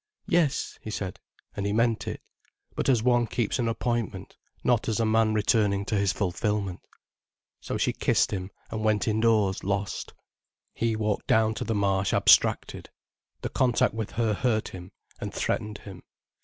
"Yes," he said. And he meant it. But as one keeps an appointment, not as a man returning to his fulfilment. So she kissed him, and went indoors, lost. He walked down to the Marsh abstracted. The contact with her hurt him, and threatened him.